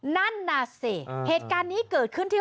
นั่นน่ะสิเหตุการณ์นี้เกิดขึ้นที่